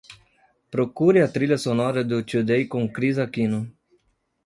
Procure a trilha sonora do Today com Kris Aquino